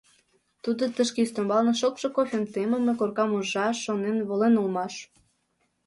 Тудо тышке ӱстембалне шокшо кофем темыме коркам ужаш шонен волен улмаш.